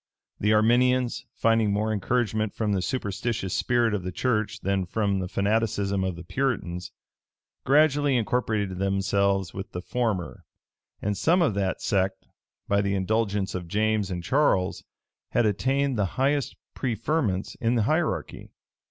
The Arminians, finding more encouragement from the superstitious spirit of the church than from the fanaticism of the Puritans, gradually incorporated themselves with the former; and some of that sect, by the indulgence of James and Charles, had attained the highest preferments in the hierarchy.